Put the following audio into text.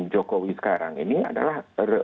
jokowi sekarang ini adalah